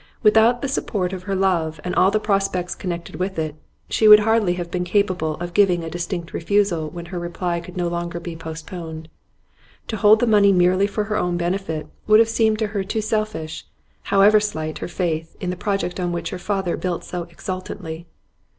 Without the support of her love and all the prospects connected with it, she would hardly have been capable of giving a distinct refusal when her reply could no longer be postponed; to hold the money merely for her own benefit would have seemed to her too selfish, however slight her faith in the project on which her father built so exultantly.